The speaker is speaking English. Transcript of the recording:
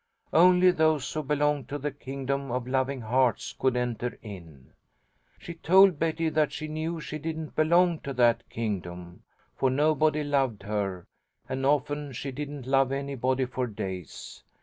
Only those who belong to the kingdom of loving hearts could enter in.' She told Betty that she knew she didn't belong to that kingdom, for nobody loved her, and often she didn't love anybody for days.